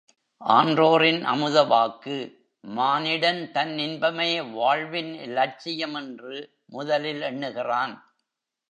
ஆன்றோரின் அமுத வாக்கு மானிடன் தன் இன்பமே வாழ்வின் லட்சியம் என்று முதலில் எண்ணுகிறான்.